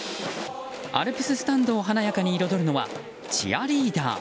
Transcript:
アルプススタンドを華やかに彩るのはチアリーダー。